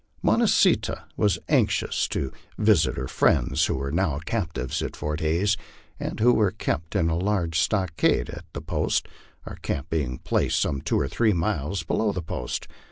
Mo nah see tah was anxious to visit her friends who were now captives at Fort Hays, and who were kept in a large stockade at the post, our camp being placed some two or three miles below the post.